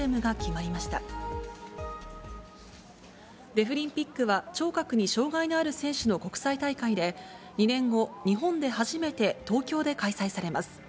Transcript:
デフリンピックは聴覚に障がいのある選手の国際大会で、２年後、日本で初めて東京で開催されます。